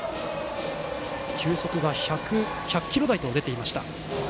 球速は１００キロ台と出ていました。